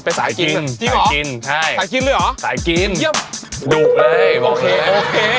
ไปสายกินสายกินใช่สายกินเลยเหรอสายกินเยี่ยมโอเคโอเคโอเค